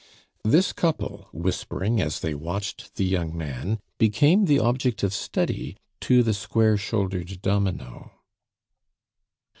This couple, whispering as they watched the young man, became the object of study to the square shouldered domino.